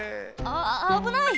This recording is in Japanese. あぶない！